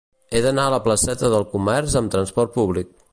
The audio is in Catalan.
He d'anar a la placeta del Comerç amb trasport públic.